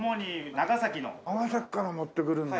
長崎から持ってくるんだ。